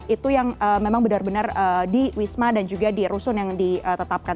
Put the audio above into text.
itu yang memang benar benar di wisma dan juga di rusun yang ditetapkan